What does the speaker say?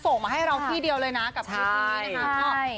ส่งมาให้เราที่เดียวเลยนะกับคลิปนี้นะคะ